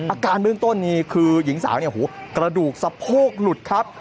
อาการบึงต้นนี่คือหญิงสาวนะคะดูกสะโพกหลุดครับ